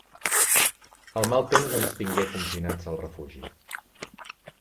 El mal temps ens tingué confinats al refugi.